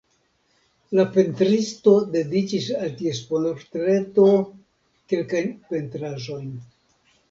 La pentristo dediĉis al ties portreto kelkajn pentraĵojn.